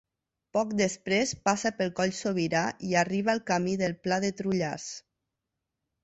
Poc després passa pel Coll Sobirà, i arriba al camí del Pla de Trullars.